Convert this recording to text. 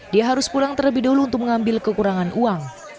dia harus pulang terlebih dahulu untuk mengambil kekurangan uang